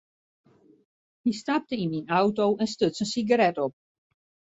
Hy stapte yn myn auto en stuts in sigaret op.